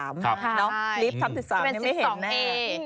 เลข๑๓ไม่เห็นแน่